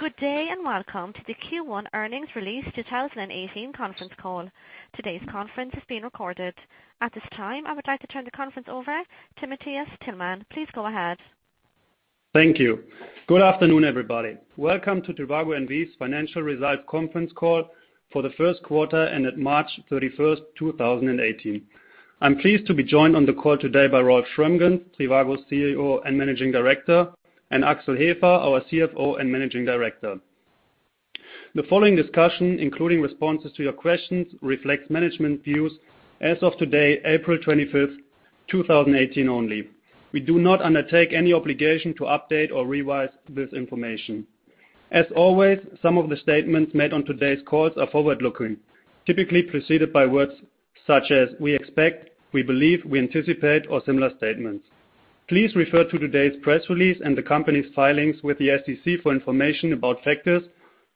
Good day. Welcome to the Q1 earnings release 2018 conference call. Today's conference is being recorded. At this time, I would like to turn the conference over to Matthias Tillmann. Please go ahead. Thank you. Good afternoon, everybody. Welcome to trivago N.V.'s Financial Results Conference Call for the first quarter and at March 31, 2018. I'm pleased to be joined on the call today by Rolf Schrömgens, trivago CEO and Managing Director, and Axel Hefer, our CFO and Managing Director. The following discussion, including responses to your questions, reflects management views as of today, April 25, 2018 only. We do not undertake any obligation to update or revise this information. As always, some of the statements made on today's calls are forward-looking, typically preceded by words such as "we expect," "we believe," "we anticipate" or similar statements. Please refer to today's press release and the company's filings with the SEC for information about factors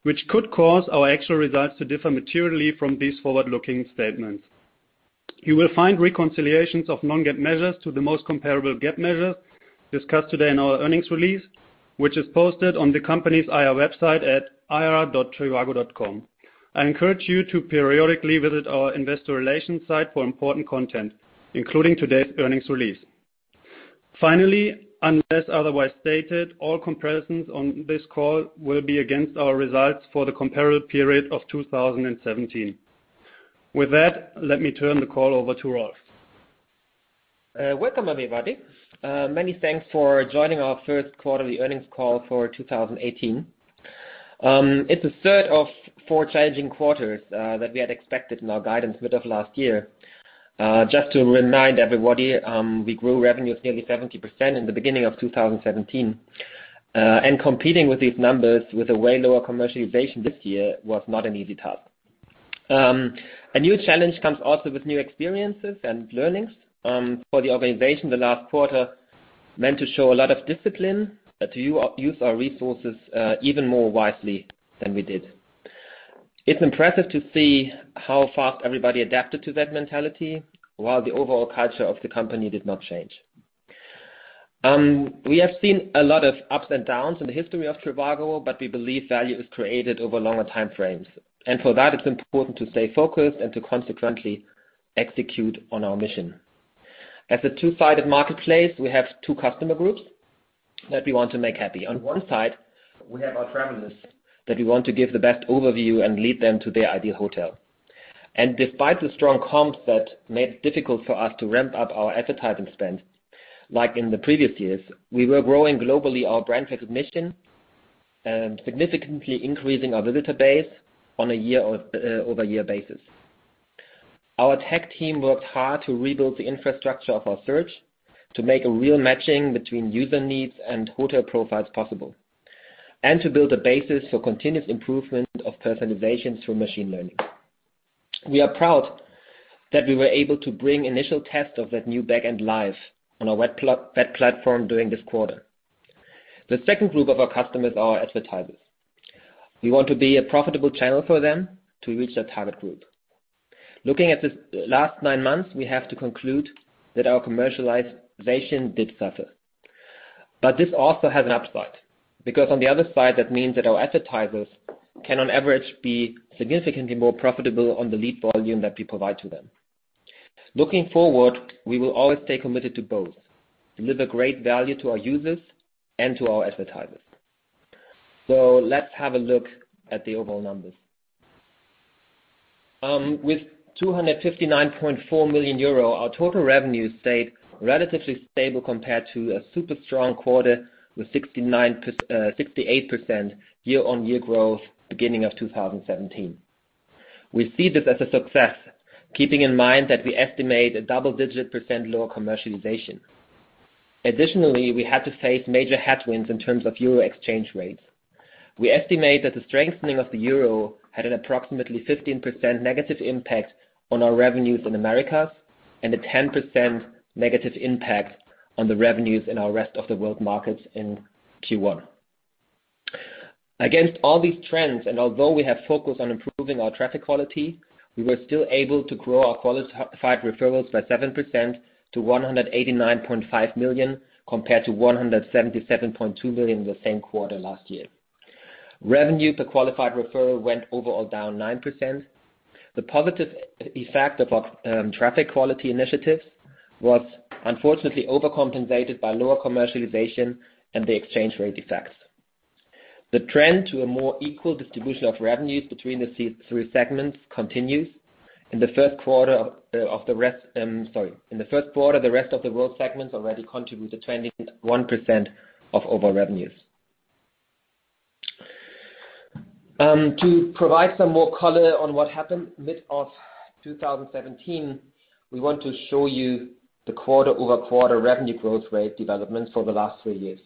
which could cause our actual results to differ materially from these forward-looking statements. You will find reconciliations of non-GAAP measures to the most comparable GAAP measures discussed today in our earnings release, which is posted on the company's IR website at ir.trivago.com. I encourage you to periodically visit our investor relations site for important content, including today's earnings release. Finally, unless otherwise stated, all comparisons on this call will be against our results for the comparable period of 2017. With that, let me turn the call over to Rolf. Welcome, everybody. Many thanks for joining our first quarterly earnings call for 2018. It's the third of four challenging quarters that we had expected in our guidance mid of last year. Just to remind everybody, we grew revenues nearly 70% in the beginning of 2017. Competing with these numbers with a way lower commercialization this year was not an easy task. A new challenge comes also with new experiences and learnings. For the organization, the last quarter meant to show a lot of discipline to use our resources even more wisely than we did. It's impressive to see how fast everybody adapted to that mentality, while the overall culture of the company did not change. We have seen a lot of ups and downs in the history of trivago, but we believe value is created over longer time frames, and for that, it's important to stay focused and to consequently execute on our mission. As a two-sided marketplace, we have two customer groups that we want to make happy. On one side, we have our travelers that we want to give the best overview and lead them to their ideal hotel. Despite the strong comps that made it difficult for us to ramp up our advertising spend like in the previous years, we were growing globally our brand recognition and significantly increasing our visitor base on a year-over-year basis. Our tech team worked hard to rebuild the infrastructure of our search to make a real matching between user needs and hotel profiles possible, and to build a basis for continuous improvement of personalization through machine learning. We are proud that we were able to bring initial tests of that new back end live on our bid platform during this quarter. The second group of our customers are advertisers. We want to be a profitable channel for them to reach their target group. Looking at the last nine months, we have to conclude that our commercialization did suffer. This also has an upside, because on the other side, that means that our advertisers can on average be significantly more profitable on the lead volume that we provide to them. Looking forward, we will always stay committed to both, deliver great value to our users and to our advertisers. Let's have a look at the overall numbers. With 259.4 million euro, our total revenues stayed relatively stable compared to a super strong quarter with 68% year-over-year growth beginning of 2017. We see this as a success, keeping in mind that we estimate a double-digit% lower commercialization. Additionally, we had to face major headwinds in terms of euro exchange rates. We estimate that the strengthening of the euro had an approximately 15% negative impact on our revenues in Americas and a 10% negative impact on the revenues in our rest of the world markets in Q1. Against all these trends, and although we have focused on improving our traffic quality, we were still able to grow our Qualified Referrals by 7% to 189.5 million compared to 177.2 million the same quarter last year. Revenue per Qualified Referral went overall down 9%. The positive effect of our traffic quality initiatives was unfortunately overcompensated by lower commercialization and the exchange rate effects. The trend to a more equal distribution of revenues between the three segments continues. In the first quarter, the rest of the world segments already contributed 21% of overall revenues. To provide some more color on what happened mid of 2017, we want to show you the quarter-over-quarter revenue growth rate development for the last three years.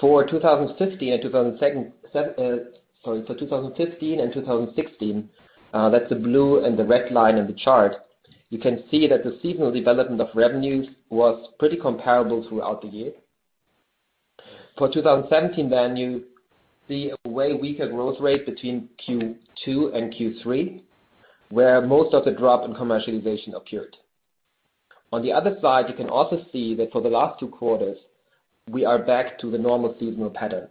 For 2015 and 2016, that's the blue and the red line in the chart, you can see that the seasonal development of revenues was pretty comparable throughout the year. For 2017, you see a way weaker growth rate between Q2 and Q3, where most of the drop in commercialization occurred. On the other side, you can also see that for the last two quarters, we are back to the normal seasonal pattern.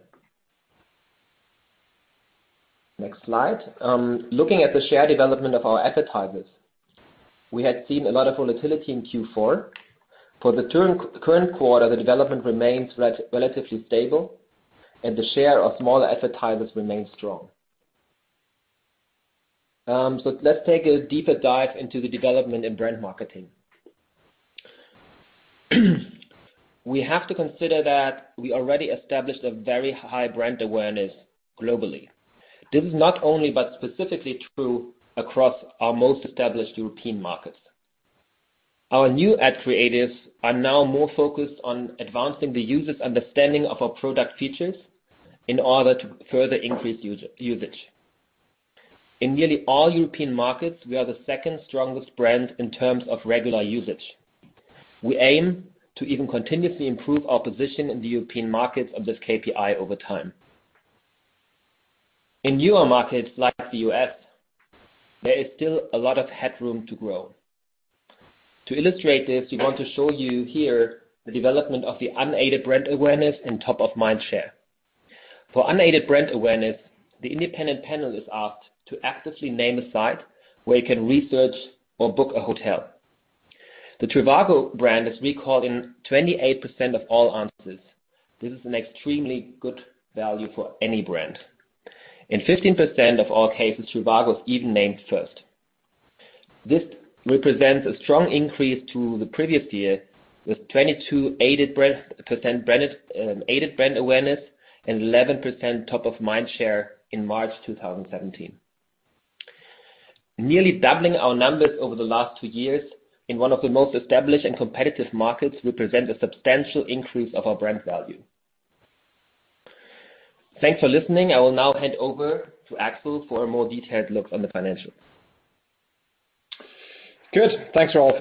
Next slide. Looking at the share development of our advertisers. We had seen a lot of volatility in Q4. For the current quarter, the development remains relatively stable, and the share of smaller advertisers remains strong. Let's take a deeper dive into the development in brand marketing. We have to consider that we already established a very high brand awareness globally. This is not only, but specifically true across our most established European markets. Our new ad creatives are now more focused on advancing the user's understanding of our product features in order to further increase usage. In nearly all European markets, we are the second strongest brand in terms of regular usage. We aim to even continuously improve our position in the European markets of this KPI over time. In newer markets like the U.S., there is still a lot of headroom to grow. To illustrate this, we want to show you here the development of the unaided brand awareness and top-of-mind share. For unaided brand awareness, the independent panel is asked to actively name a site where you can research or book a hotel. The trivago brand is recalled in 28% of all answers. This is an extremely good value for any brand. In 15% of all cases, trivago is even named first. This represents a strong increase to the previous year, with 22% aided brand awareness and 11% top-of-mind share in March 2017. Nearly doubling our numbers over the last two years in one of the most established and competitive markets represents a substantial increase of our brand value. Thanks for listening. I will now hand over to Axel for a more detailed look on the financials. Good. Thanks, Rolf.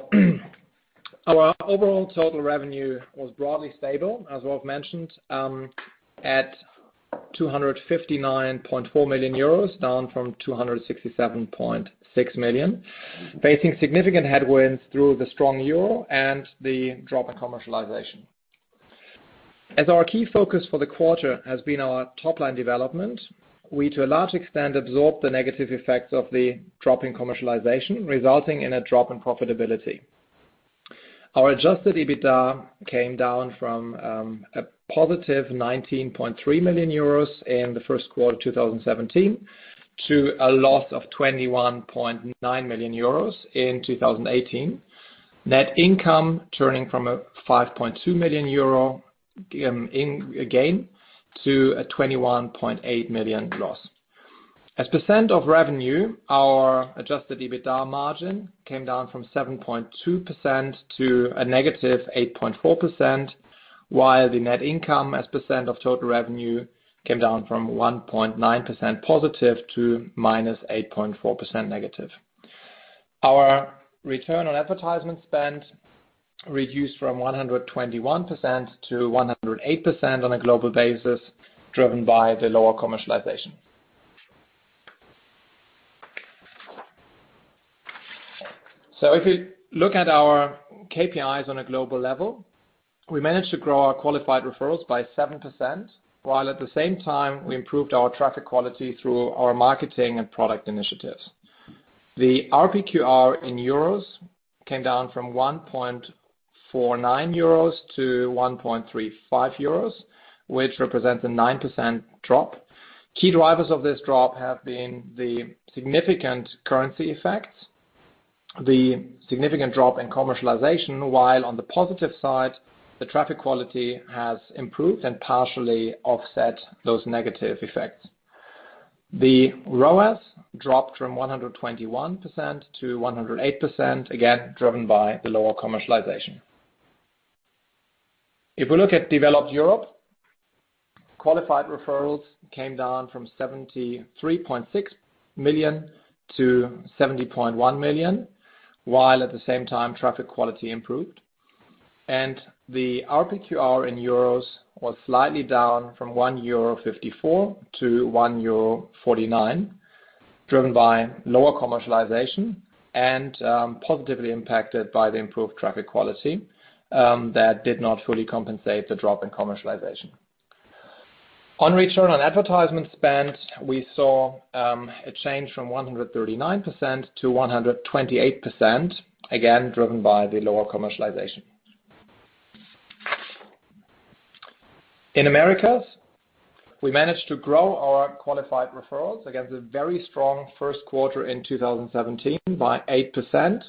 Our overall total revenue was broadly stable, as Rolf mentioned, at 259.4 million euros, down from 267.6 million, facing significant headwinds through the strong euro and the drop in commercialization. As our key focus for the quarter has been our top-line development, we, to a large extent, absorbed the negative effects of the drop in commercialization, resulting in a drop in profitability. Our Adjusted EBITDA came down from a positive 19.3 million euros in the first quarter of 2017 to a loss of 21.9 million euros in 2018. Net income turning from a 5.2 million euro gain to a 21.8 million loss. As % of revenue, our Adjusted EBITDA margin came down from 7.2% to a negative 8.4%, while the net income as % of total revenue came down from 1.9% positive to -8.4%. Our return on advertisement spend reduced from 121% to 108% on a global basis, driven by the lower commercialization. If you look at our KPIs on a global level, we managed to grow our qualified referrals by 7%, while at the same time, we improved our traffic quality through our marketing and product initiatives. The RPQR in EUR came down from 1.49 euros to 1.35 euros, which represents a 9% drop. Key drivers of this drop have been the significant currency effects, the significant drop in commercialization, while on the positive side, the traffic quality has improved and partially offset those negative effects. The ROAS dropped from 121% to 108%, again, driven by the lower commercialization. If we look at developed Europe, qualified referrals came down from 73.6 million to 70.1 million, while at the same time, traffic quality improved. The RPQR in EUR was slightly down from 1.54 euro to 1.49 euro, driven by lower commercialization and positively impacted by the improved traffic quality that did not fully compensate the drop in commercialization. On return on advertisement spend, we saw a change from 139%-128%, again, driven by the lower commercialization. In Americas, we managed to grow our Qualified Referrals against a very strong first quarter in 2017 by 8%,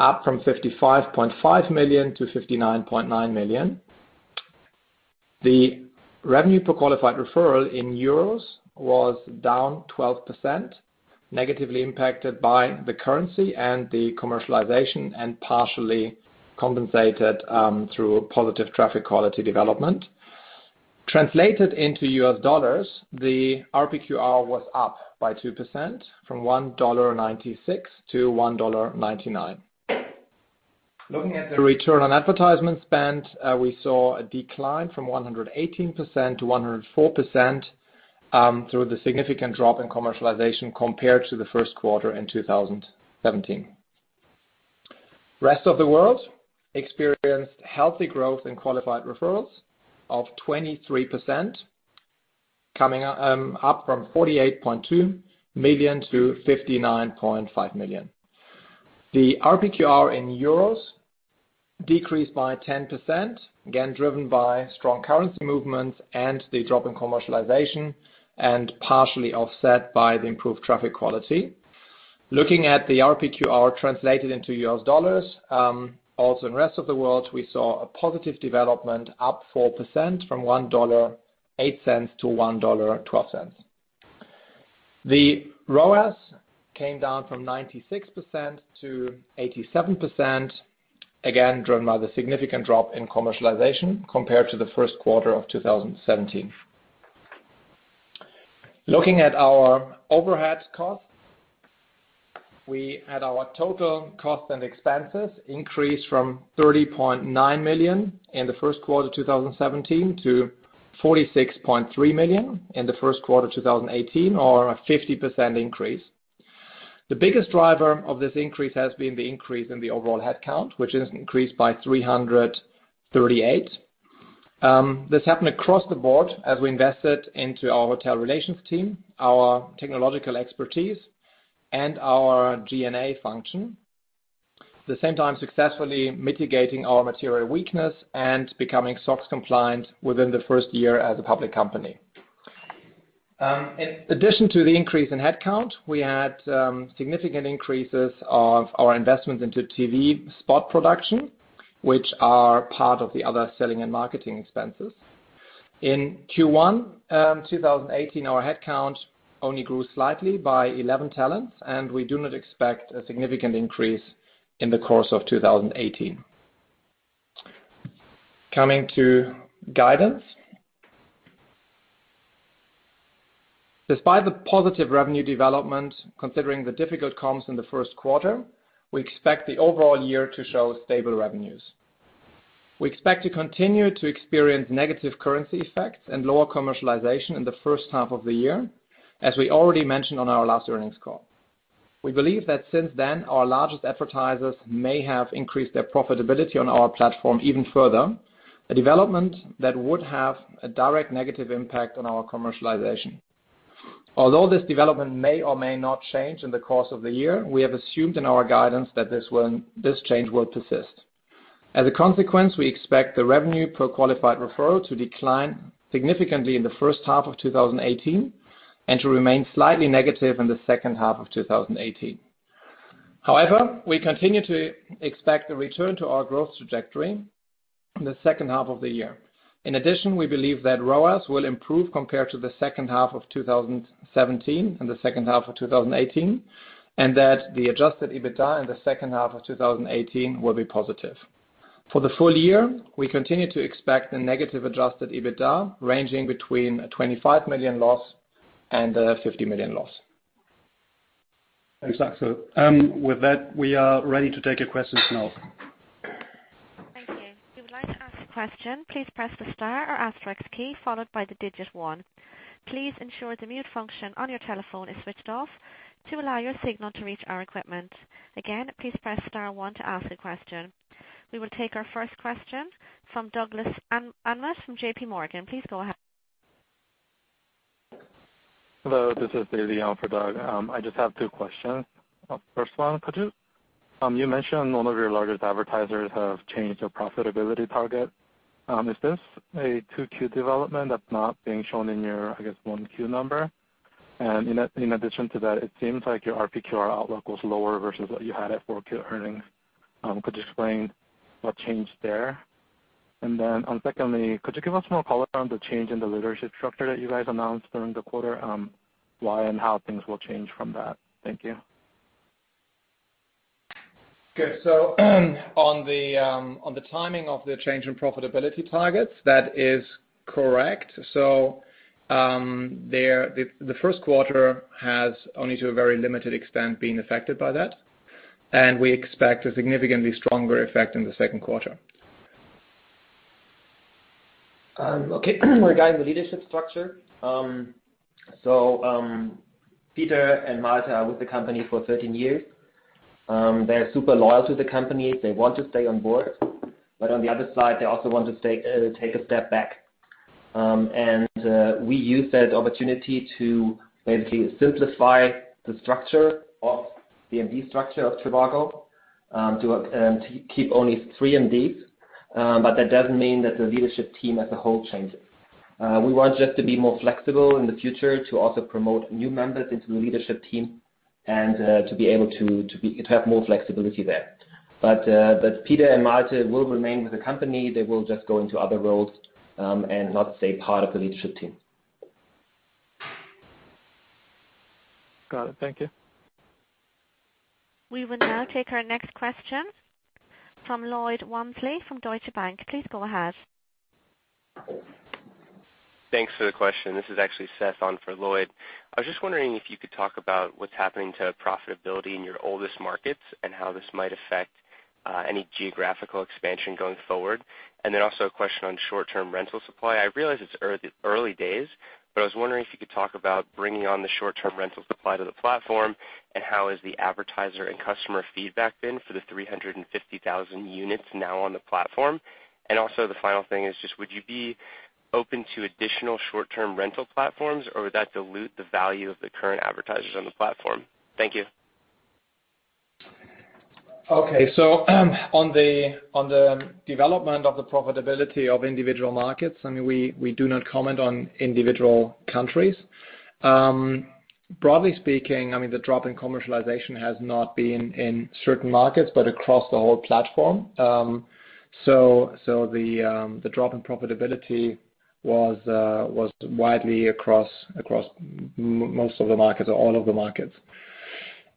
up from 55.5 million to 59.9 million. The Revenue per Qualified Referral in EUR was down 12%, negatively impacted by the currency and the commercialization, and partially compensated through positive traffic quality development. Translated into U.S. dollars, the RPQR was up by 2%, from $1.96-$1.99. Looking at the return on advertisement spend, we saw a decline from 118%-104%. Through the significant drop in commercialization compared to the first quarter in 2017. Rest of the world experienced healthy growth in Qualified Referrals of 23%, coming up from 48.2 million to 59.5 million. The RPQR in EUR decreased by 10%, again, driven by strong currency movements and the drop in commercialization, and partially offset by the improved traffic quality. Looking at the RPQR translated into U.S. dollars, also in rest of the world, we saw a positive development up 4% from $1.08-$1.12. The ROAS came down from 96%-87%, again, driven by the significant drop in commercialization compared to the first quarter of 2017. Looking at our overhead costs, we had our total costs and expenses increase from 30.9 million in the first quarter 2017 to 46.3 million in the first quarter 2018, or a 50% increase. The biggest driver of this increase has been the increase in the overall headcount, which has increased by 338. This happened across the board as we invested into our hotel relations team, our technological expertise, and our G&A function. At the same time, successfully mitigating our material weakness and becoming SOX compliant within the first year as a public company. In addition to the increase in headcount, we had significant increases of our investments into TV spot production, which are part of the other selling and marketing expenses. In Q1 2018, our headcount only grew slightly by 11 talents, and we do not expect a significant increase in the course of 2018. Coming to guidance. Despite the positive revenue development, considering the difficult comms in the first quarter, we expect the overall year to show stable revenues. We expect to continue to experience negative currency effects and lower commercialization in the first half of the year, as we already mentioned on our last earnings call. We believe that since then, our largest advertisers may have increased their profitability on our platform even further, a development that would have a direct negative impact on our commercialization. Although this development may or may not change in the course of the year, we have assumed in our guidance that this change will persist. As a consequence, we expect the Revenue per Qualified Referral to decline significantly in the first half of 2018 and to remain slightly negative in the second half of 2018. However, we continue to expect a return to our growth trajectory in the second half of the year. In addition, we believe that ROAS will improve compared to the second half of 2017 and the second half of 2018, and that the Adjusted EBITDA in the second half of 2018 will be positive. For the full year, we continue to expect a negative Adjusted EBITDA ranging between a 25 million loss and a 50 million loss. Thanks, Axel. With that, we are ready to take your questions now. Thank you. If you would like to ask a question, please press the star or asterisk key followed by the digit 1. Please ensure the mute function on your telephone is switched off to allow your signal to reach our equipment. Again, please press star one to ask a question. We will take our first question from Douglas Anmuth from JPMorgan. Please go ahead. Hello, this is Dougy on for Doug. I just have two questions. First one, you mentioned one of your largest advertisers have changed their profitability target. Is this a 2Q development that's not being shown in your, I guess, 1Q number? In addition to that, it seems like your RPQR outlook was lower versus what you had at 4Q earnings. Could you explain what changed there? Secondly, could you give us more color on the change in the leadership structure that you guys announced during the quarter? Why and how things will change from that? Thank you. Good. On the timing of the change in profitability targets, that is correct. The first quarter has only to a very limited extent been affected by that. We expect a significantly stronger effect in the second quarter. Okay. Regarding the leadership structure. Peter and Malte are with the company for 13 years. They're super loyal to the company. They want to stay on board. On the other side, they also want to take a step back. We use that opportunity to basically simplify the structure of, the MD structure of trivago, to keep only 3 MDs. That doesn't mean that the leadership team as a whole changes. We want just to be more flexible in the future to also promote new members into the leadership team and to be able to have more flexibility there. Peter and Malte will remain with the company. They will just go into other roles, and not stay part of the leadership team. Got it. Thank you. We will now take our next question from Lloyd Walmsley from Deutsche Bank. Please go ahead. Thanks for the question. This is actually Seth on for Lloyd. I was just wondering if you could talk about what's happening to profitability in your oldest markets and how this might affect any geographical expansion going forward. Also a question on short-term rental supply. I realize it's early days, but I was wondering if you could talk about bringing on the short-term rental supply to the platform, and how has the advertiser and customer feedback been for the 350,000 units now on the platform? The final thing is just would you be open to additional short-term rental platforms, or would that dilute the value of the current advertisers on the platform? Thank you. On the development of the profitability of individual markets, we do not comment on individual countries. Broadly speaking, the drop in commercialization has not been in certain markets, but across the whole platform. The drop in profitability was widely across most of the markets, or all of the markets.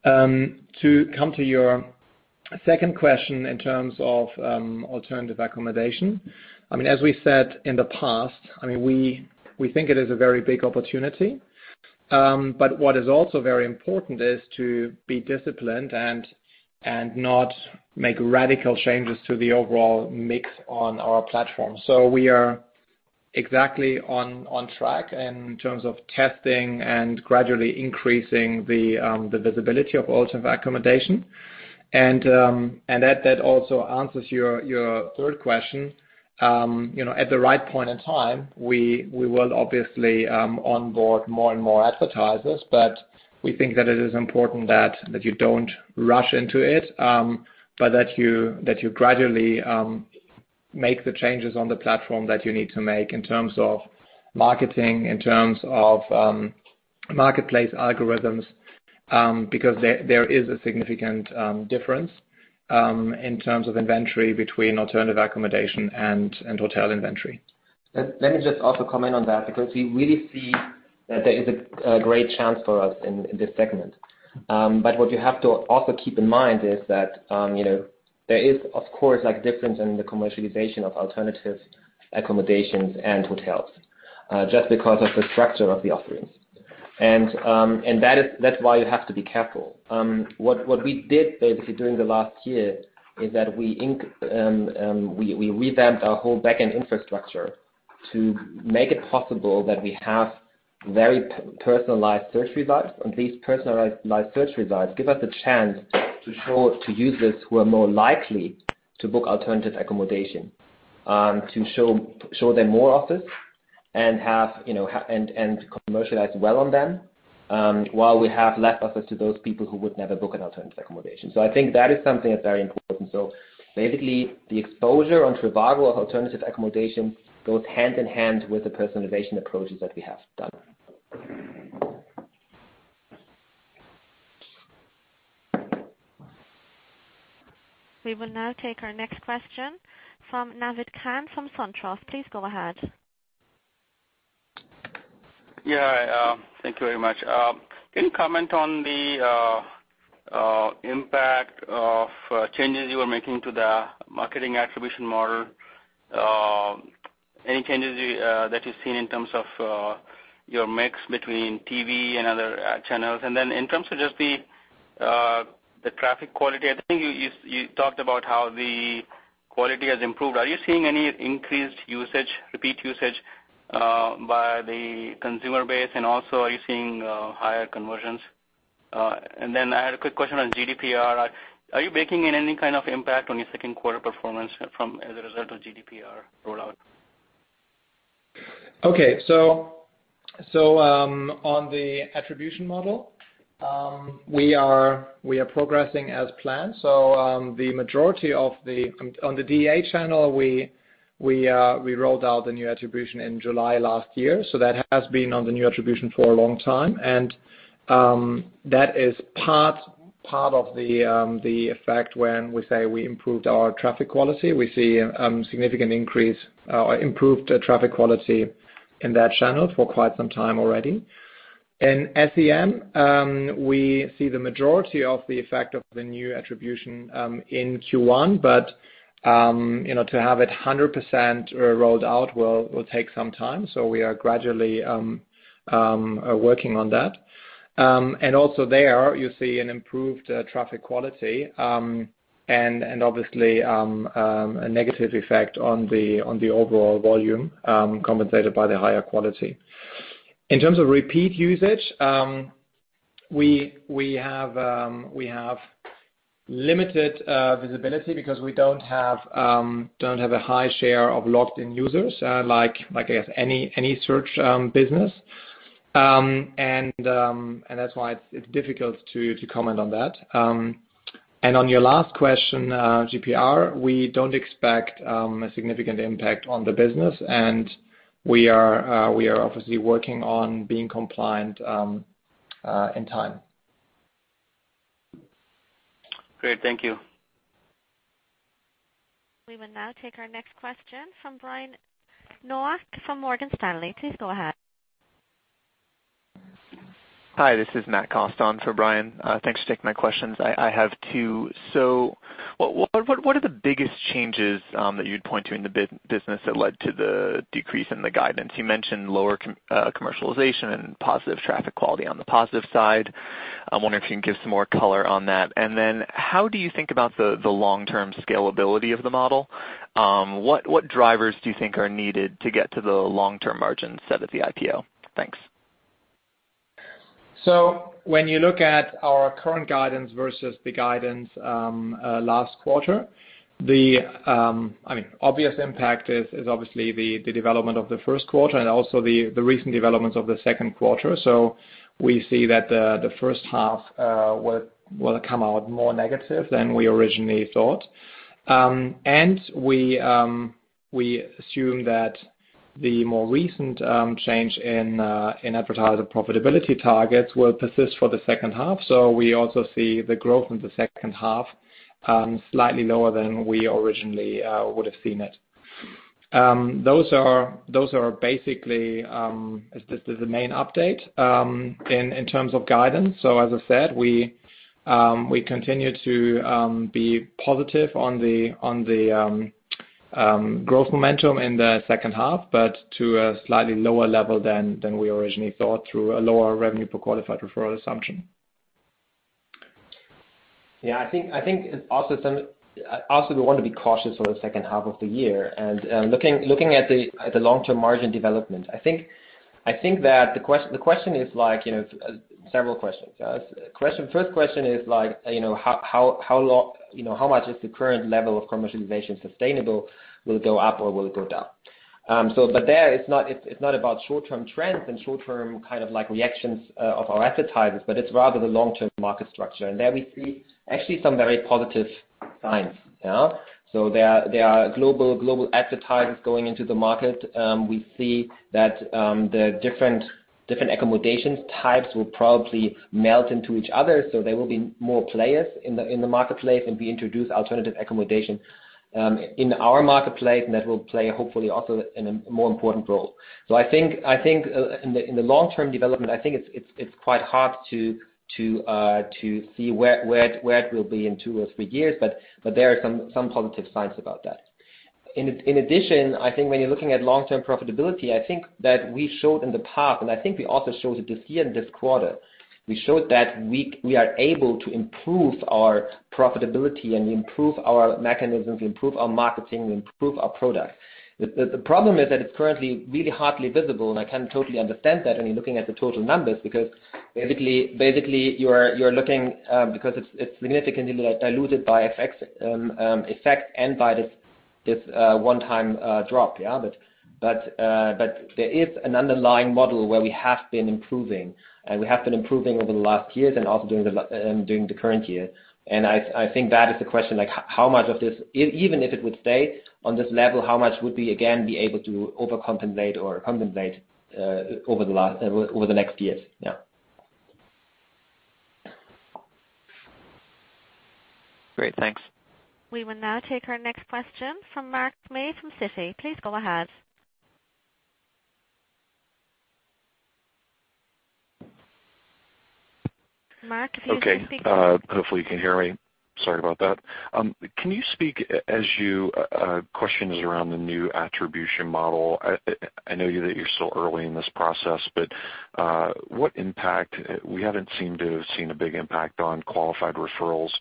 To come to your second question in terms of alternative accommodation. As we said in the past, we think it is a very big opportunity. What is also very important is to be disciplined and not make radical changes to the overall mix on our platform. We are exactly on track in terms of testing and gradually increasing the visibility of alternative accommodation. That also answers your third question. At the right point in time, we will obviously onboard more and more advertisers. We think that it is important that you don't rush into it, but that you gradually make the changes on the platform that you need to make in terms of marketing, in terms of marketplace algorithms, because there is a significant difference in terms of inventory between alternative accommodation and hotel inventory. Let me just also comment on that, because we really see that there is a great chance for us in this segment. What you have to also keep in mind is that there is, of course, a difference in the commercialization of alternative accommodations and hotels, just because of the structure of the offerings. That's why you have to be careful. What we did basically during the last year is that we revamped our whole backend infrastructure to make it possible that we have very personalized search results. These personalized search results give us a chance to show to users who are more likely to book alternative accommodation, to show them more offers and commercialize well on them, while we have less offers to those people who would never book an alternative accommodation. I think that is something that's very important. Basically, the exposure on trivago of alternative accommodation goes hand in hand with the personalization approaches that we have done. We will now take our next question from Naved Khan from SunTrust. Please go ahead. Thank you very much. Can you comment on the impact of changes you are making to the marketing attribution model? Any changes that you've seen in terms of your mix between TV and other channels? In terms of just the traffic quality, I think you talked about how the quality has improved. Are you seeing any increased repeat usage by the consumer base, and also, are you seeing higher conversions? I had a quick question on GDPR. Are you baking in any kind of impact on your second quarter performance as a result of GDPR rollout? On the attribution model, we are progressing as planned. On the DA channel, we rolled out the new attribution in July last year, so that has been on the new attribution for a long time. That is part of the effect when we say we improved our traffic quality. We see significant improved traffic quality in that channel for quite some time already. In SEM, we see the majority of the effect of the new attribution in Q1, but to have it 100% rolled out will take some time. We are gradually working on that. Also there you see an improved traffic quality, and obviously, a negative effect on the overall volume, compensated by the higher quality. In terms of repeat usage, we have limited visibility because we don't have a high share of logged-in users, like, I guess, any search business. That's why it's difficult to comment on that. On your last question, GDPR, we don't expect a significant impact on the business, and we are obviously working on being compliant in time. Great. Thank you. We will now take our next question from Brian Nowak from Morgan Stanley. Please go ahead. Hi. This is Matthew Cost for Brian. Thanks for taking my questions. I have two. What are the biggest changes that you'd point to in the business that led to the decrease in the guidance? You mentioned lower commercialization and positive traffic quality on the positive side. I wonder if you can give some more color on that. How do you think about the long-term scalability of the model? What drivers do you think are needed to get to the long-term margin set at the IPO? Thanks. When you look at our current guidance versus the guidance last quarter, the obvious impact is obviously the development of the first quarter and also the recent developments of the second quarter. We see that the first half will come out more negative than we originally thought. We assume that the more recent change in advertiser profitability targets will persist for the second half. We also see the growth in the second half slightly lower than we originally would have seen it. Those are basically the main update in terms of guidance. As I said, we continue to be positive on the growth momentum in the second half, but to a slightly lower level than we originally thought through a lower Revenue per Qualified Referral assumption. I think also we want to be cautious for the second half of the year. Looking at the long-term margin development, I think that the question is several questions. First question is how much is the current level of commercialization sustainable, will it go up or will it go down? There it's not about short-term trends and short-term reactions of our advertisers, but it's rather the long-term market structure. There we see actually some very positive signs. There are global advertisers going into the market. We see that the different accommodation types will probably melt into each other. There will be more players in the marketplace, and we introduce alternative accommodation in our marketplace, and that will play hopefully also a more important role. I think in the long-term development, I think it's quite hard to see where it will be in two or three years, but there are some positive signs about that. In addition, I think when you're looking at long-term profitability, I think that we showed in the past, and I think we also showed it this year in this quarter, we showed that we are able to improve our profitability and improve our mechanisms, improve our marketing, improve our product. The problem is that it's currently really hardly visible, and I can totally understand that when you're looking at the total numbers, because basically, you're looking because it's significantly diluted by FX effect and by this one-time drop. There is an underlying model where we have been improving, and we have been improving over the last years and also during the current year. I think that is the question, even if it would stay on this level, how much would we again be able to overcompensate or compensate over the next years? Great. Thanks. We will now take our next question from Mark May from Citi. Please go ahead. Mark, if you can speak. Okay. Hopefully, you can hear me. Sorry about that. Question is around the new attribution model. I know that you're still early in this process, but we haven't seemed to have seen a big impact on Qualified Referrals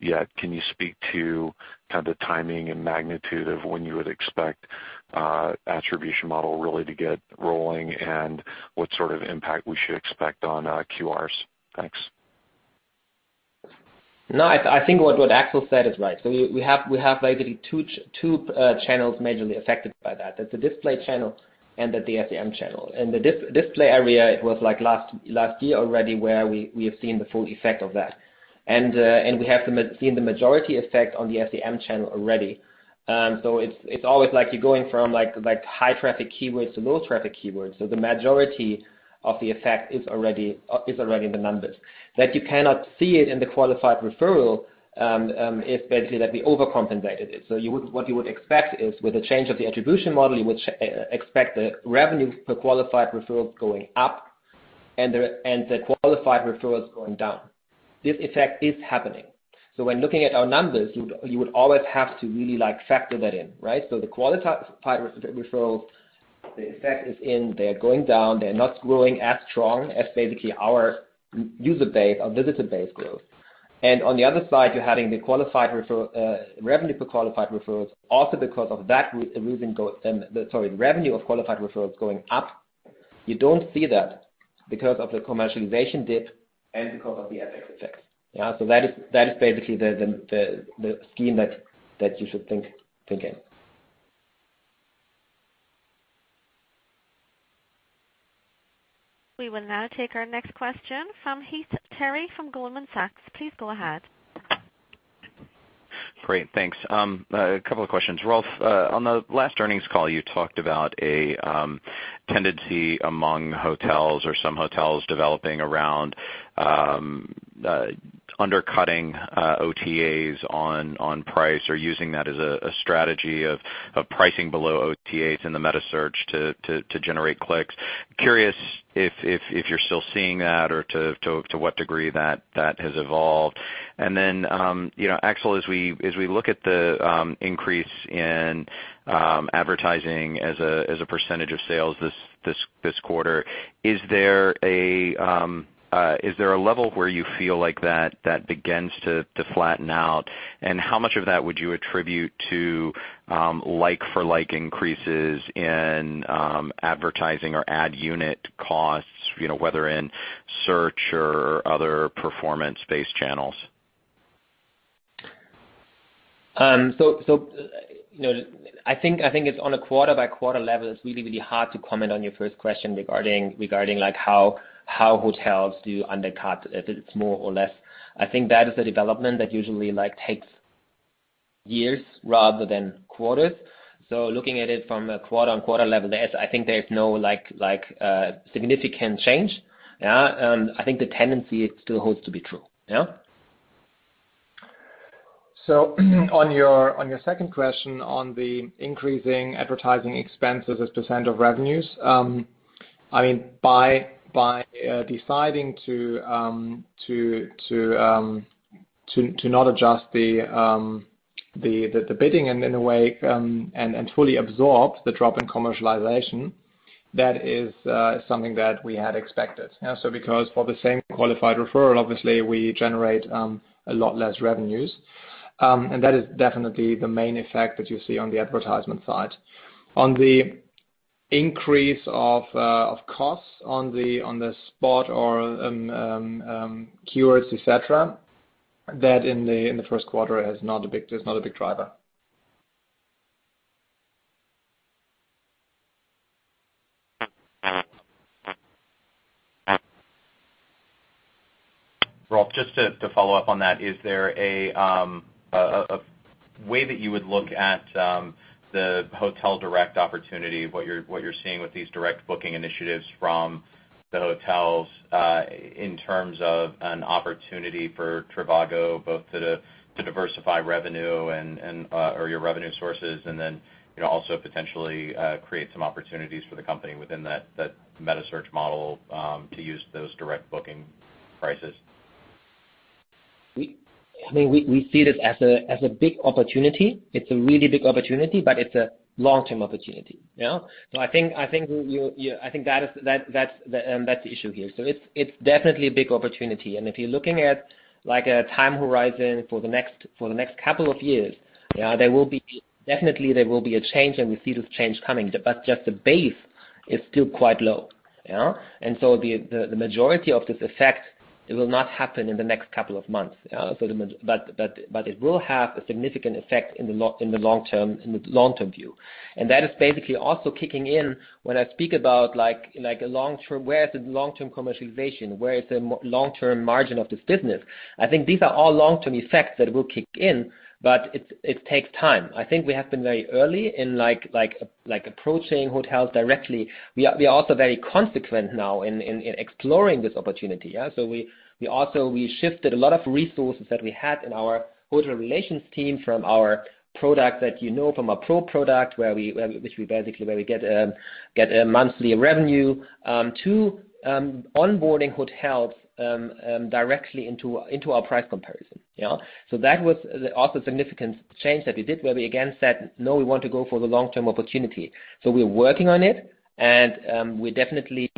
yet. Can you speak to the timing and magnitude of when you would expect attribution model really to get rolling, and what sort of impact we should expect on QRs? Thanks. No, I think what Axel said is right. We have basically two channels majorly affected by that, the display channel and the SEM channel. The display area, it was last year already where we have seen the full effect of that. We have seen the majority effect on the SEM channel already. It's always like you're going from high traffic keywords to low traffic keywords. The majority of the effect is already in the numbers. That you cannot see it in the Qualified Referral, is basically that we overcompensated it. What you would expect is with the change of the attribution model, you would expect the Revenue per Qualified Referrals going up and the Qualified Referrals going down. This effect is happening. When looking at our numbers, you would always have to really factor that in, right? The Qualified Referrals, the effect is in, they're going down. They're not growing as strong as basically our user base, our visitor base growth. On the other side, you're having the Revenue per Qualified Referrals also because of that reason go-- Sorry, revenue of Qualified Referrals going up. You don't see that because of the commercialization dip and because of the FX effect. That is basically the scheme that you should think in. We will now take our next question from Heath Terry from Goldman Sachs. Please go ahead. Great, thanks. A couple of questions. Rolf, on the last earnings call, you talked about a tendency among hotels or some hotels developing around undercutting OTAs on price or using that as a strategy of pricing below OTAs in the metasearch to generate clicks. Curious if you're still seeing that or to what degree that has evolved. Axel, as we look at the increase in advertising as a percentage of sales this quarter, is there a level where you feel like that begins to flatten out? How much of that would you attribute to like for like increases in advertising or ad unit costs, whether in search or other performance-based channels. I think it's on a quarter-by-quarter level, it's really, really hard to comment on your first question regarding how hotels do undercut, if it's more or less. I think that is a development that usually takes years rather than quarters. Looking at it from a quarter-on-quarter level, I think there's no significant change. Yeah. I think the tendency, it still holds to be true, yeah? On your second question on the increasing advertising expenses as percent of revenues. By deciding to not adjust the bidding in a way, and fully absorb the drop in commercialization, that is something that we had expected. Because for the same Qualified Referral, obviously, we generate a lot less revenue. And that is definitely the main effect that you see on the advertisement side. On the increase of costs on the spot or keywords, et cetera, that in the first quarter is not a big driver. Rolf, just to follow up on that, is there a way that you would look at the hotel direct opportunity, what you're seeing with these direct booking initiatives from the hotels, in terms of an opportunity for trivago, both to diversify revenue or your revenue sources, and then also potentially create some opportunities for the company within that metasearch model, to use those direct booking prices? We see it as a big opportunity. It's a really big opportunity, but it's a long-term opportunity. I think that's the issue here. It's definitely a big opportunity. And if you're looking at a time horizon for the next couple of years, definitely there will be a change and we see this change coming. But just the base is still quite low. And the majority of this effect, it will not happen in the next couple of months. But it will have a significant effect in the long term view. And that is basically also kicking in when I speak about where is the long-term commercialization? Where is the long-term margin of this business? I think these are all long-term effects that will kick in, but it takes time. I think we have been very early in approaching hotels directly. We are also very consequent now in exploring this opportunity. We shifted a lot of resources that we had in our hotel relations team from our product that you know, from our PRO product, which we basically, where we get a monthly revenue, to onboarding hotels directly into our price comparison. That was also a significant change that we did, where we again said, "No, we want to go for the long-term opportunity." We're working on it, and we definitely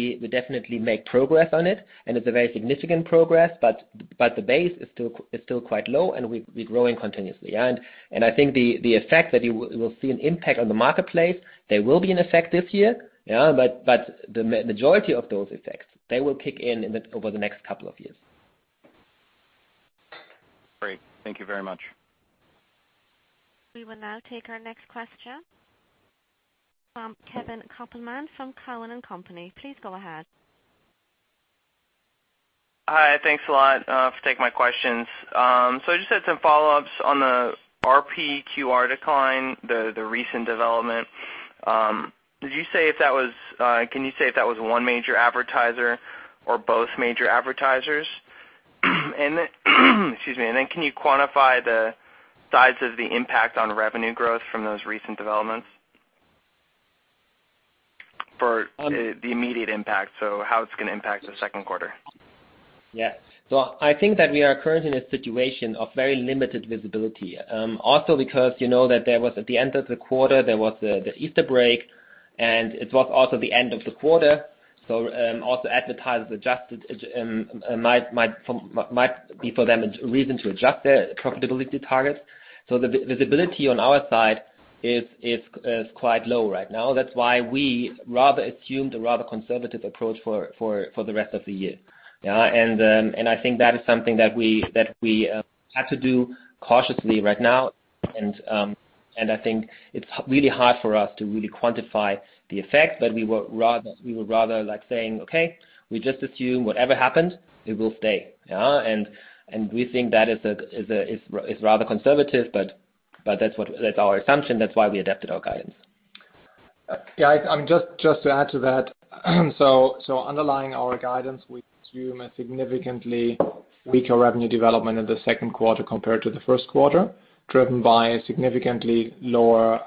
make progress on it, and it's a very significant progress, but the base is still quite low and we're growing continuously. And I think the effect that you will see an impact on the marketplace, they will be in effect this year. But the majority of those effects, they will kick in over the next couple of years. Great. Thank you very much. We will now take our next question. From Kevin Kopelman from Cowen and Company. Please go ahead. Hi. Thanks a lot for taking my questions. I just had some follow-ups on the RPQR decline, the recent development. Can you say if that was one major advertiser or both major advertisers? Excuse me, then can you quantify the size of the impact on revenue growth from those recent developments? For the immediate impact, how it's going to impact the second quarter. I think that we are currently in a situation of very limited visibility. Because you know that at the end of the quarter, there was the Easter break, and it was also the end of the quarter, so also advertisers adjusted, might be for them a reason to adjust their profitability targets. The visibility on our side is quite low right now. That's why we rather assumed a rather conservative approach for the rest of the year. I think that is something that we had to do cautiously right now. I think it's really hard for us to really quantify the effect, but we would rather like saying, "Okay, we just assume whatever happened, it will stay." We think that is rather conservative, but that's our assumption. That's why we adapted our guidance. Just to add to that. Underlying our guidance, we assume a significantly weaker revenue development in the second quarter compared to the first quarter, driven by a significantly lower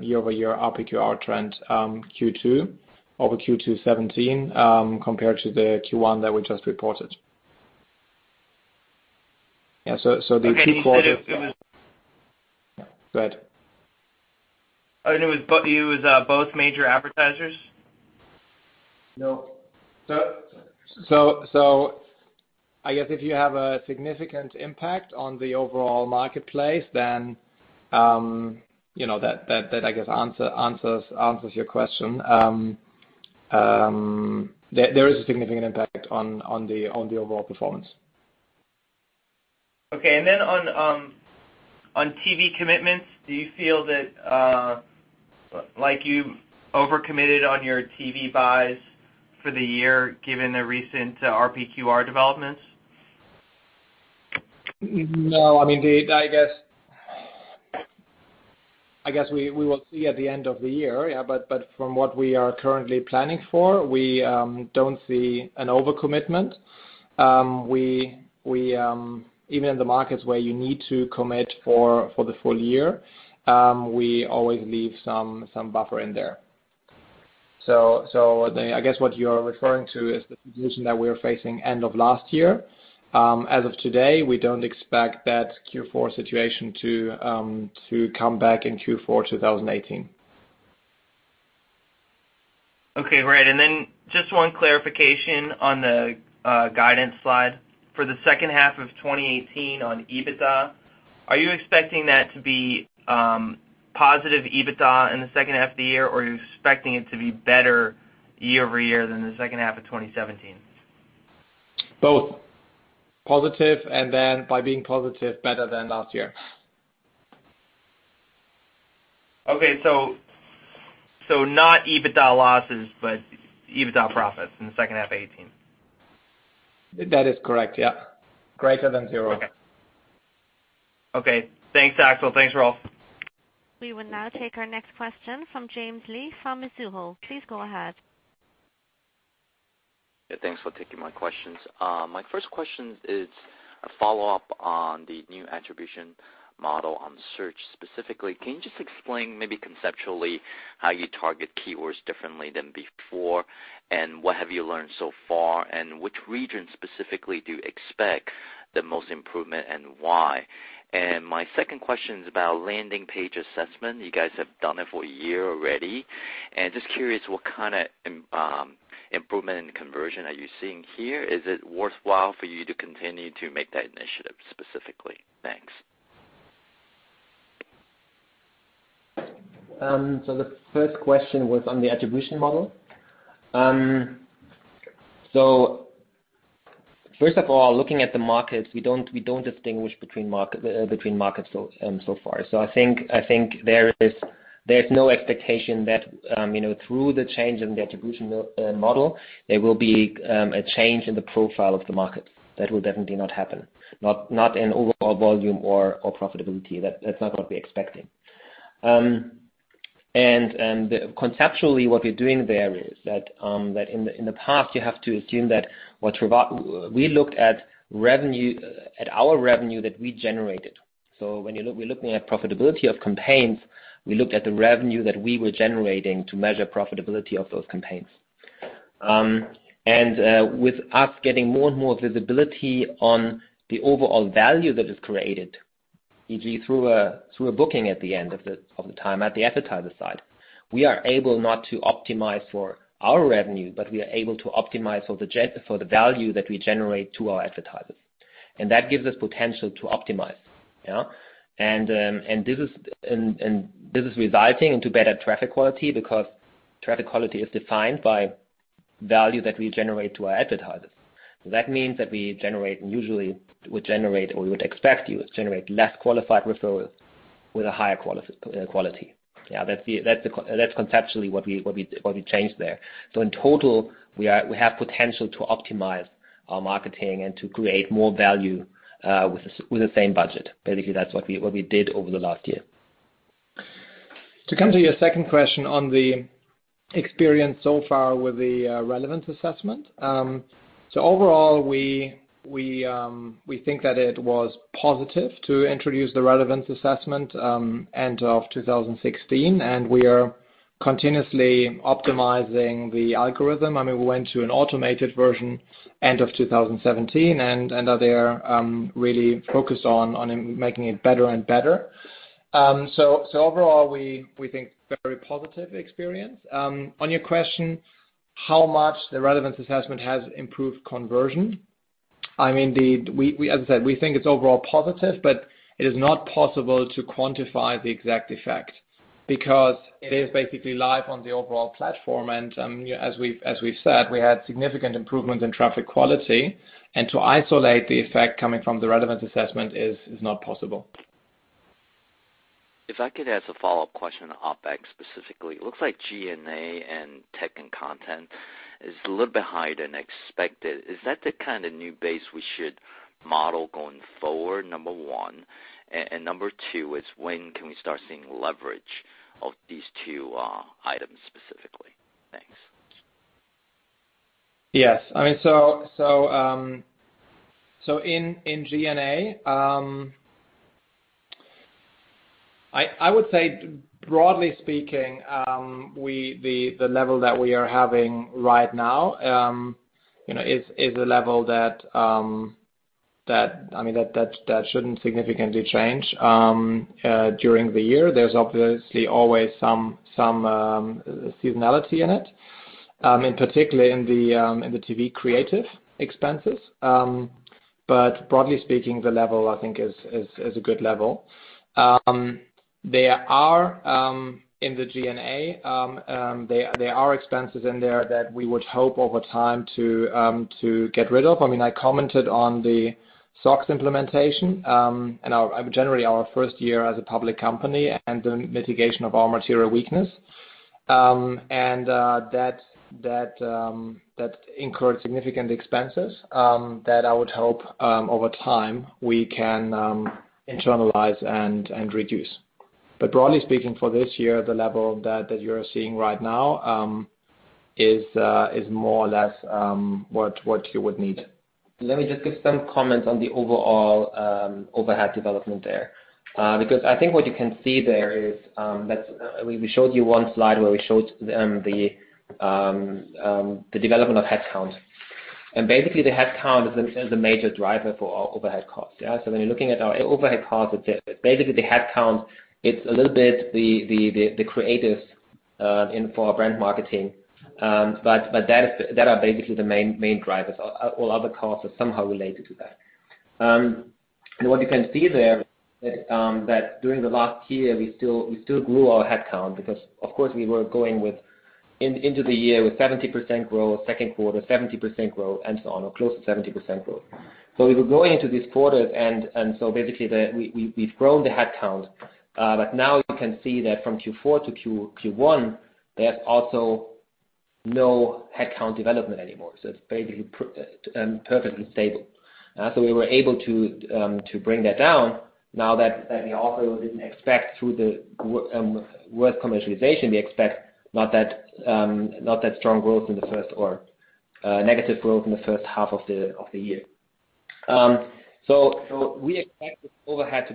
year-over-year RPQR trend Q2 over Q2 2017, compared to the Q1 that we just reported. Can you say if it was? Go ahead. It was both major advertisers? No. I guess if you have a significant impact on the overall marketplace, then that, I guess, answers your question. There is a significant impact on the overall performance. Okay. Then on TV commitments, do you feel that you've over-committed on your TV buys for the year given the recent RPQR developments? No. I guess we will see at the end of the year. From what we are currently planning for, we don't see an over-commitment. Even in the markets where you need to commit for the full year, we always leave some buffer in there. I guess what you're referring to is the position that we were facing end of last year. As of today, we don't expect that Q4 situation to come back in Q4 2018. Okay. Right. Then just one clarification on the guidance slide. For the second half of 2018 on EBITDA, are you expecting that to be positive EBITDA in the second half of the year, or are you expecting it to be better year-over-year than the second half of 2017? Both. Positive by being positive, better than last year. Okay. Not EBITDA losses, but EBITDA profits in the second half of 2018. That is correct, yeah. Greater than zero. Okay. Thanks, Axel. Thanks, Rolf. We will now take our next question from James Lee from Mizuho. Please go ahead. Yeah, thanks for taking my questions. My first question is a follow-up on the new attribution model on Search specifically. Can you just explain maybe conceptually how you target keywords differently than before, and what have you learned so far? Which region specifically do you expect the most improvement, and why? My second question is about landing page assessment. You guys have done it for a year already, and just curious what kind of improvement in conversion are you seeing here? Is it worthwhile for you to continue to make that initiative specifically? Thanks. The first question was on the attribution model. First of all, looking at the markets, we don't distinguish between markets so far. I think there is no expectation that through the change in the attribution model, there will be a change in the profile of the market. That will definitely not happen. Not in overall volume or profitability. That's not what we're expecting. Conceptually, what we're doing there is that in the past, you have to assume that we looked at our revenue that we generated. When we're looking at profitability of campaigns, we looked at the revenue that we were generating to measure profitability of those campaigns. With us getting more and more visibility on the overall value that is created, e.g., through a booking at the end of the time at the advertiser side, we are able not to optimize for our revenue, but we are able to optimize for the value that we generate to our advertisers. That gives us potential to optimize. This is resulting into better traffic quality because traffic quality is defined by value that we generate to our advertisers. That means that we usually would generate, or we would expect you to generate less Qualified Referrals with a higher quality. That's conceptually what we changed there. In total, we have potential to optimize our marketing and to create more value with the same budget. Basically, that's what we did over the last year. To come to your second question on the experience so far with the relevance assessment. Overall, we think that it was positive to introduce the relevance assessment end of 2016, and we are continuously optimizing the algorithm. We went to an automated version end of 2017 and are there really focused on making it better and better. Overall, we think very positive experience. On your question, how much the relevance assessment has improved conversion, as I said, we think it's overall positive, but it is not possible to quantify the exact effect because it is basically live on the overall platform. As we've said, we had significant improvements in traffic quality, and to isolate the effect coming from the relevance assessment is not possible. If I could ask a follow-up question on OpEx specifically. It looks like G&A and tech and content is a little bit higher than expected. Is that the kind of new base we should model going forward, number 1? Number 2 is when can we start seeing leverage of these two items specifically? Thanks. Yes. In G&A, I would say broadly speaking, the level that we are having right now is a level that That shouldn't significantly change during the year. There's obviously always some seasonality in it, and particularly in the TV creative expenses. Broadly speaking, the level, I think, is a good level. There are, in the G&A, there are expenses in there that we would hope over time to get rid of. I commented on the SOX implementation, and generally our first year as a public company and the mitigation of our material weakness. That incurred significant expenses that I would hope over time we can internalize and reduce. Broadly speaking for this year, the level that you're seeing right now is more or less what you would need. Let me just give some comments on the overall overhead development there. I think what you can see there is that we showed you one slide where we showed the development of headcount. Basically, the headcount is a major driver for our overhead costs. When you're looking at our overhead costs, basically the headcount, it's a little bit the creative for our brand marketing. That are basically the main drivers. All other costs are somehow related to that. What you can see there is that during the last year, we still grew our headcount because, of course, we were going into the year with 70% growth second quarter, 70% growth and so on, or close to 70% growth. We were going into these quarters, basically we've grown the headcount. Now you can see that from Q4 to Q1, there's also no headcount development anymore. It's basically perfectly stable. We were able to bring that down now that we also didn't expect through the weaker commercialization, we expect not that strong growth in the first or negative growth in the first half of the year. We expect overhead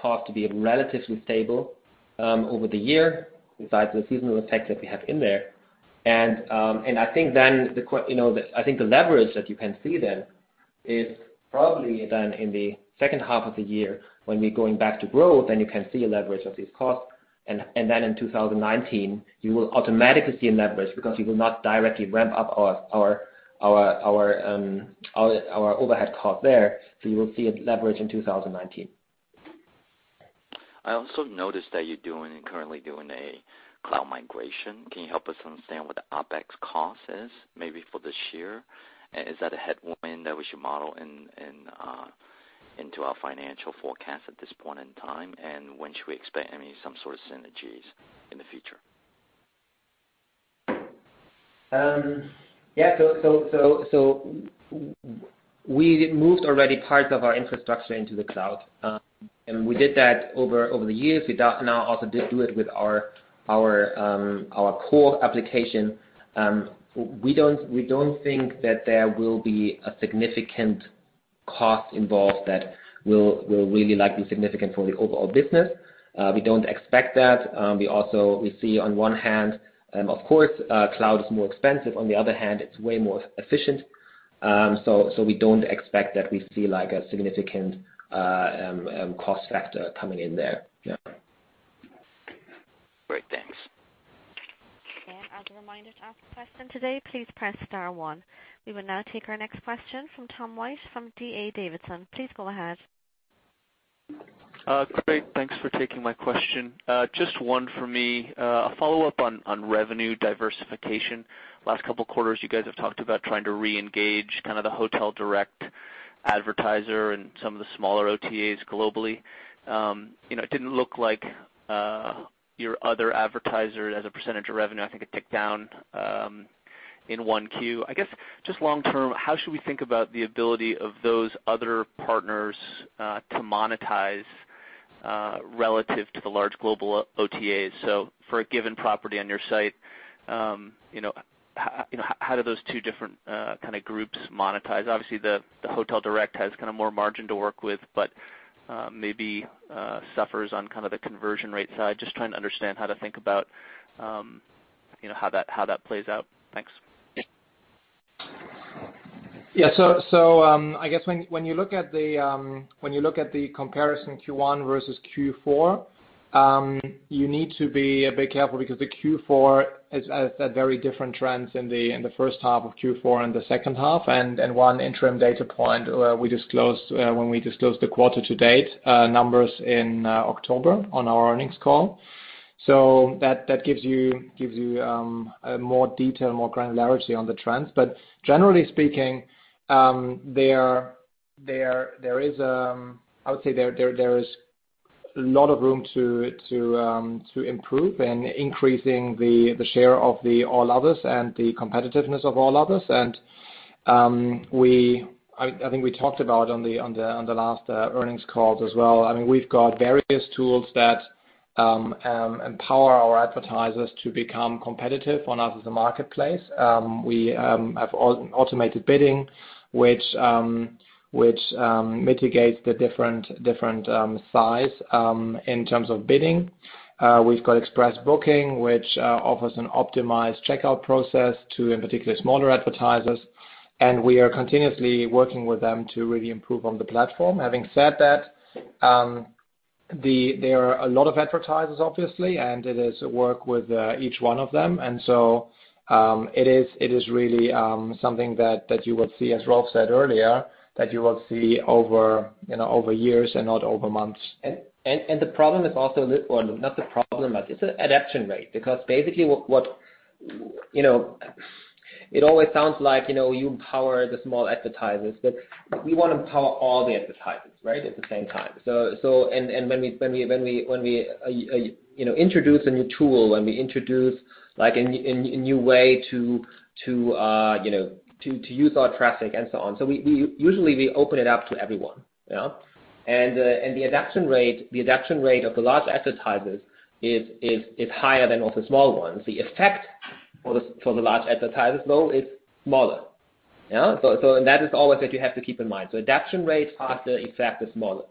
costs to be relatively stable over the year, besides the seasonal effect that we have in there. I think the leverage that you can see then is probably then in the second half of the year when we're going back to growth, then you can see a leverage of these costs. Then in 2019, you will automatically see a leverage because we will not directly ramp up our overhead cost there. You will see a leverage in 2019. I also noticed that you're currently doing a cloud migration. Can you help us understand what the OPEX cost is maybe for this year? Is that a headwind that we should model into our financial forecast at this point in time? When should we expect any some sort of synergies in the future? Yeah. We moved already part of our infrastructure into the cloud. We did that over the years. We now also did do it with our core application. We don't think that there will be a significant cost involved that will really likely significant for the overall business. We don't expect that. We see on one hand, of course, cloud is more expensive. On the other hand, it's way more efficient. We don't expect that we see a significant cost factor coming in there. Yeah. Great. Thanks. As a reminder, to ask a question today, please press star one. We will now take our next question from Tom White from D.A. Davidson. Please go ahead. Great. Thanks for taking my question. Just one for me. A follow-up on revenue diversification. Last couple of quarters, you guys have talked about trying to reengage the hotel direct advertiser and some of the smaller OTAs globally. It didn't look like your other advertisers as a percentage of revenue, I think it ticked down in 1Q. I guess, just long-term, how should we think about the ability of those other partners to monetize relative to the large global OTAs? For a given property on your site, how do those two different groups monetize? Obviously, the hotel direct has more margin to work with, but maybe suffers on the conversion rate side. Just trying to understand how to think about how that plays out. Thanks. Yeah. I guess when you look at the comparison Q1 versus Q4, you need to be a bit careful because the Q4 had very different trends in the first half of Q4 and the second half, and one interim data point when we disclosed the quarter to date numbers in October on our earnings call. That gives you more detail, more granularity on the trends. Generally speaking, I would say there is a lot of room to improve and increasing the share of the all others and the competitiveness of all others. I think we talked about on the last earnings calls as well. We've got various tools that empower our advertisers to become competitive on us as a marketplace. We have automated bidding, which mitigates the different size in terms of bidding. We've got Express Booking, which offers an optimized checkout process to, in particular, smaller advertisers. We are continuously working with them to really improve on the platform. Having said that, there are a lot of advertisers, obviously, and it is a work with each one of them. It is really something that you will see, as Rolf said earlier, that you will see over years and not over months. The problem is also, well, not the problem, but it's an adaption rate. Basically, it always sounds like, you empower the small advertisers, but we want to empower all the advertisers, right? At the same time. When we introduce a new tool, when we introduce a new way to use our traffic and so on, usually we open it up to everyone. Yeah. The adaption rate of the large advertisers is higher than of the small ones. The effect for the large advertisers, though, is smaller. Yeah. That is always what you have to keep in mind. Adaption rate faster, effect is smaller.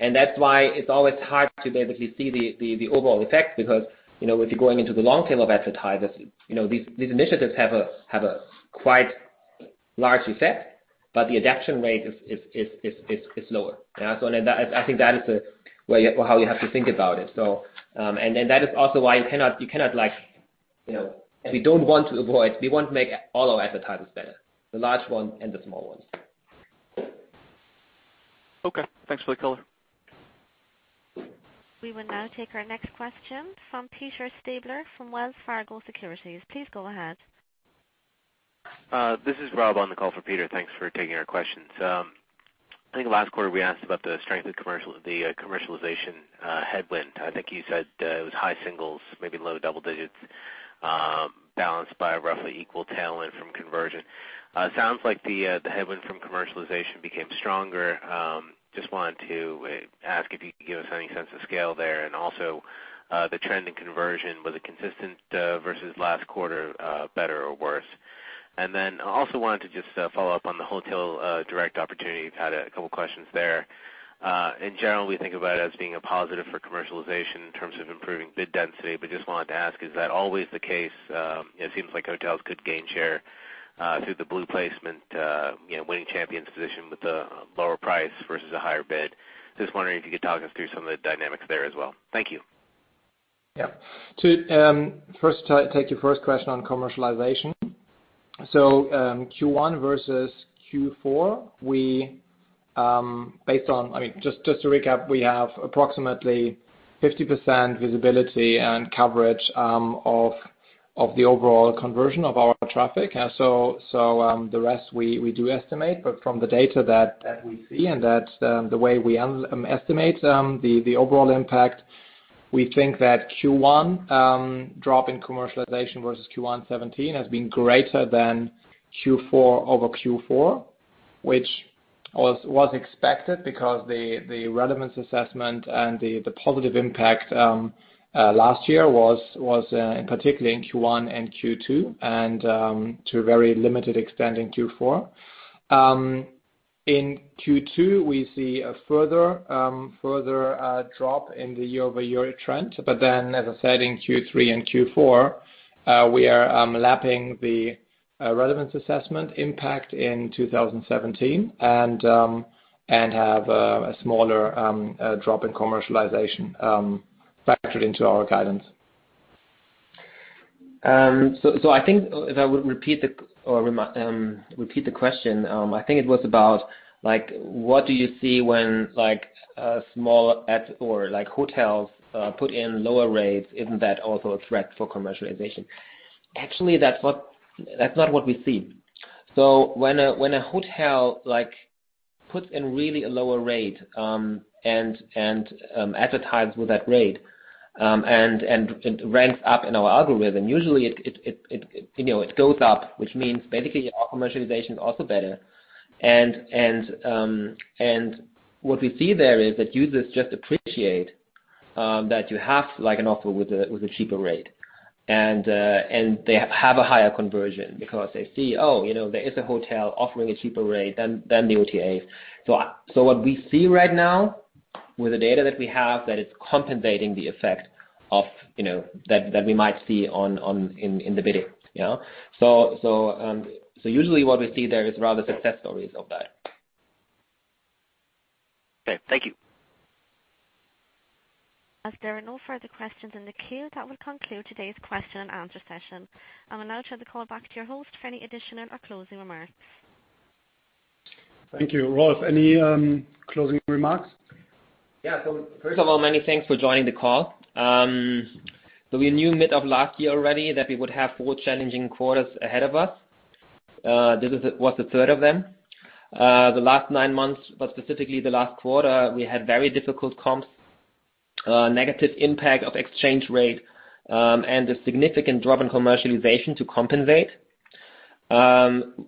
That's why it's always hard to basically see the overall effect because, when you're going into the long tail of advertisers, these initiatives have a quite large effect, but the adaption rate is lower. Yeah. I think that is how you have to think about it. That is also why you cannot, we don't want to avoid, we want to make all our advertisers better, the large ones and the small ones. Okay. Thanks for the color. We will now take our next question from Peter Stabler from Wells Fargo Securities. Please go ahead. This is Rob on the call for Peter. Thanks for taking our questions. I think last quarter we asked about the strength of the commercialization headwind. I think you said it was high singles, maybe low double digits, balanced by roughly equal tailwind from conversion. Sounds like the headwind from commercialization became stronger. Just wanted to ask if you could give us any sense of scale there. Also, the trend in conversion, was it consistent versus last quarter, better or worse? Then I also wanted to just follow up on the hotel direct opportunity. We've had a couple of questions there. In general, we think about it as being a positive for commercialization in terms of improving bid density. Just wanted to ask, is that always the case? It seems like hotels could gain share through the blue placement, winning champions position with a lower price versus a higher bid. Just wondering if you could talk us through some of the dynamics there as well. Thank you. Yeah. To first take your first question on commercialization. Q1 versus Q4, just to recap, we have approximately 50% visibility and coverage of the overall conversion of our traffic. The rest we do estimate, but from the data that we see and the way we estimate the overall impact, we think that Q1 drop in commercialization versus Q1 2017 has been greater than Q4 over Q4, which was expected because the relevance assessment and the positive impact last year was particularly in Q1 and Q2, and to a very limited extent in Q4. In Q2, we see a further drop in the year-over-year trend. As I said, in Q3 and Q4, we are lapping the relevance assessment impact in 2017 and have a smaller drop in commercialization factored into our guidance. I think if I would repeat the question, I think it was about what do you see when small ads or hotels put in lower rates? Isn't that also a threat for commercialization? Actually, that's not what we see. When a hotel puts in really a lower rate and advertises with that rate and it ranks up in our algorithm, usually it goes up, which means basically your commercialization is also better. What we see there is that users just appreciate that you have an offer with a cheaper rate. They have a higher conversion because they see, oh, there is a hotel offering a cheaper rate than the OTA. What we see right now with the data that we have, that it's compensating the effect that we might see in the bidding. Usually what we see there is rather success stories of that. Okay. Thank you. As there are no further questions in the queue, that will conclude today's question and answer session. I will now turn the call back to your host for any additional or closing remarks. Thank you. Rolf, any closing remarks? First of all, many thanks for joining the call. We knew mid of last year already that we would have four challenging quarters ahead of us. This was the third of them. The last nine months, but specifically the last quarter, we had very difficult comps, negative impact of exchange rate, and a significant drop in commercialization to compensate.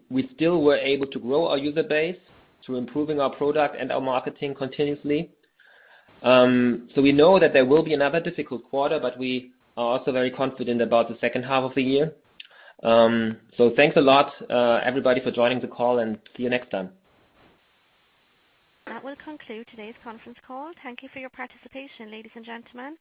We still were able to grow our user base through improving our product and our marketing continuously. We know that there will be another difficult quarter, but we are also very confident about the second half of the year. Thanks a lot, everybody, for joining the call, and see you next time. That will conclude today's conference call. Thank you for your participation, ladies and gentlemen.